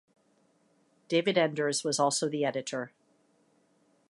David Enders was also the editor.